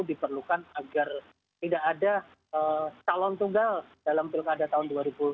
diperlukan agar tidak ada calon tunggal dalam pilkada tahun dua ribu dua puluh